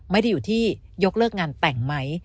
ไม่ได้อยู่ที่ยกเลิกงานแต่งไหม